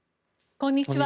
こんにちは。